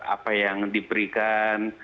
apa yang diberikan